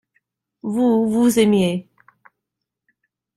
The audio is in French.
Vous, vous aimiez.